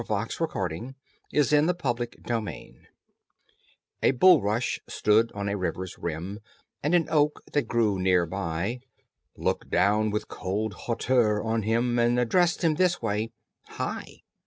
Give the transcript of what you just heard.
THE VAINGLORIOUS OAK AND THE MODEST BULRUSH A bulrush stood on a river's rim, And an oak that grew near by Looked down with cold hauteur on him, And addressed him this way: "Hi!"